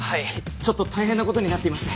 ちょっと大変な事になっていまして。